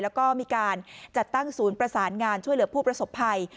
แล้วก็มีการจัดตั้งศูนย์ประสานงานช่วยเหลือผู้ประสบภัย